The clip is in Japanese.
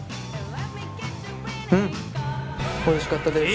うんおいしかったです。